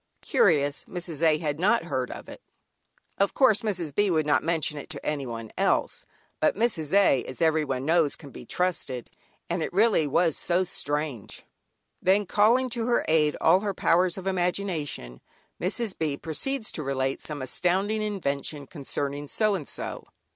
Curious, Mrs. A. had not heard of it. Of course Mrs. B. would not mention it to anyone else, but Mrs. A., as every one knows, can be trusted, and really it was so strange. Then calling to her aid all her powers of imagination, Mrs. B. proceeds to relate some astounding invention concerning so and so.